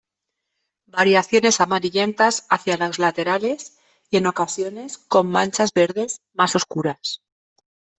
Variaciones amarillentas hacia los laterales y en ocasiones con manchas verdes más oscuras.